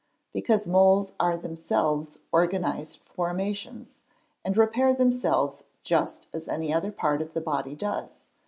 _ Because moles are themselves organised formations, and repair themselves just as any other part of the body does.